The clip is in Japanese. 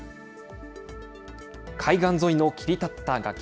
海岸沿いの切り立った崖。